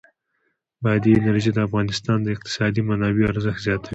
بادي انرژي د افغانستان د اقتصادي منابعو ارزښت زیاتوي.